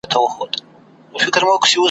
د غپا او انګولا یې ورک درک سي ,